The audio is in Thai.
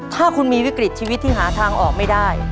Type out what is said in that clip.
ถ้าคุณมีวิกฤตชีวิตที่หาทางออกไม่ได้